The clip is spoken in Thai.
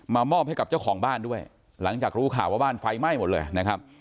มอบให้กับเจ้าของบ้านด้วยหลังจากรู้ข่าวว่าบ้านไฟไหม้หมดเลยนะครับ